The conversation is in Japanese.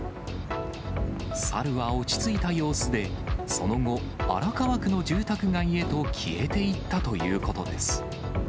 猿は落ち着いた様子で、その後、荒川区の住宅街へと消えていったということです。